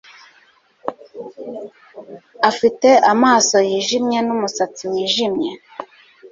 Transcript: Afite amaso yijimye numusatsi wijimye